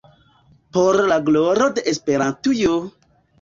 Por la gloro de Esperantujo!